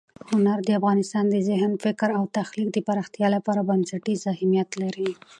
هنر د انسان د ذهن، فکر او تخلیق د پراختیا لپاره بنسټیز اهمیت لري.